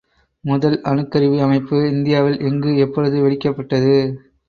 முதல் அணுக்கருவி அமைப்பு இந்தியாவில் எங்கு, எப்பொழுது வெடிக்கப்பட்டது?